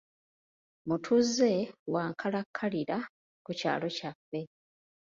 Mutuuze wa nkalakkalira ku kyalo kyaffe.